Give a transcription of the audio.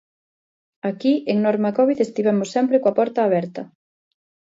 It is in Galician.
Aquí en norma covid estivemos sempre coa porta aberta.